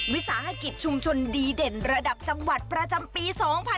วิสาหกิจชุมชนดีเด่นระดับจังหวัดประจำปี๒๕๖๒